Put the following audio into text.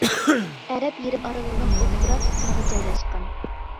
ئەرەب يېرىم ئارىلىنىڭ ئوتتۇرا قىسمىغا جايلاشقان.